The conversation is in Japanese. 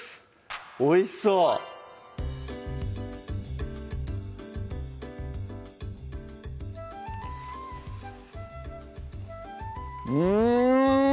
おいしそううん！